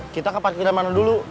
kita ke parkiran mana dulu